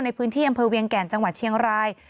ในพื้นที่อำเภอเวียงแก่นจังหวัดเชียงราย